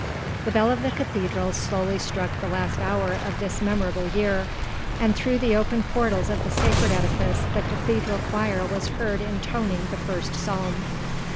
The bell of the cathedral slowly struck the last hour of this memorable year; and through the open portals of the sacred edifice the cathedral choir was heard intoning the First Psalm.